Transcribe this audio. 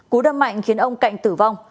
cú đâm mạnh khiến ông cạnh tử vong